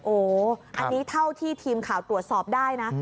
โอ้โหอันนี้เท่าที่ทีมข่าวตรวจสอบได้นะ